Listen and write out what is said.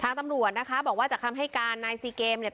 ตำรวจนะคะบอกว่าจากคำให้การนายซีเกมเนี่ย